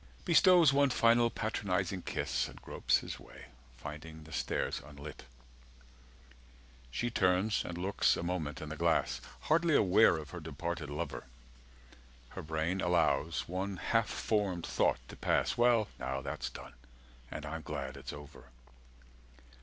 Bestows one final patronising kiss, And gropes his way, finding the stairs unlit ... She turns and looks a moment in the glass, Hardly aware of her departed lover; 250 Her brain allows one half formed thought to pass: "Well now that's done: and I'm glad it's over."